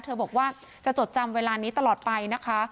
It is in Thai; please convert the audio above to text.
บอกว่าจะจดจำเวลานี้ตลอดไปนะคะ